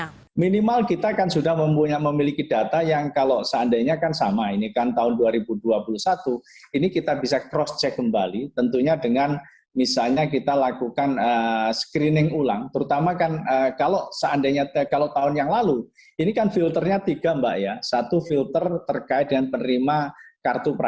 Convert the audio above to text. kementerian tenaga kerja tengah mengejar terselesaikannya regulasi dalam bentuk peraturan menteri tenaga kerja permenaker